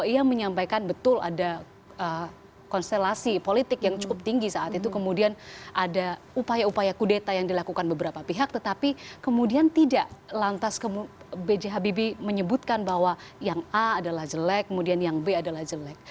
ia menyampaikan betul ada konstelasi politik yang cukup tinggi saat itu kemudian ada upaya upaya kudeta yang dilakukan beberapa pihak tetapi kemudian tidak lantas b j habibie menyebutkan bahwa yang a adalah jelek kemudian yang b adalah jelek